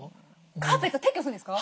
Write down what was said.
カーペット撤去するんですか？